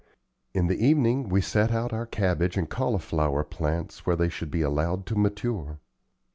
In the evening we set out our cabbage and cauliflower plants where they should be allowed to mature.